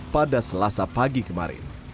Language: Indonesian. pada selasa pagi kemarin